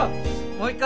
もう１回。